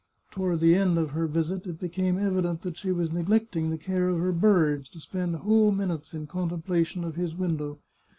Toward the end of her visit it became evident that she was neglecting the care of her birds to spend whole minutes in contemplation of his window.